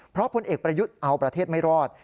เพราะพลเอกประยุทธ์เอาประเทศไม่รอด